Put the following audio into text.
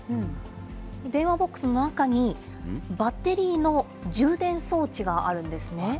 電話ボックスの中に、バッテリーの充電装置があるんですね。